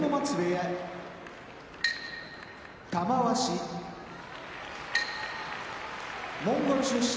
玉鷲モンゴル出身